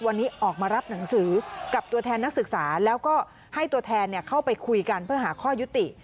วันนี้ออกมารับหนังสือกับตัวแทนนักศึกษาแล้วก็ให้ตัวแทนเข้าไปคุยกันเพื่อหาข้อยุติ